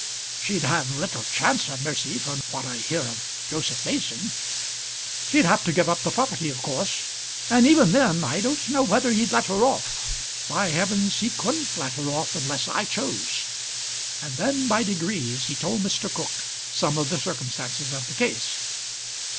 "She'd have little chance of mercy, from what I hear of Joseph Mason." "She'd have to give up the property of course. And even then I don't know whether he'd let her off. By heavens! he couldn't let her off unless I chose." And then by degrees he told Mr. Cooke some of the circumstances of the case.